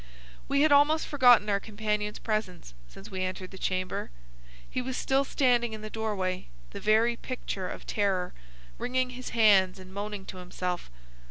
We had almost forgotten our companion's presence since we entered the chamber. He was still standing in the doorway, the very picture of terror, wringing his hands and moaning to himself.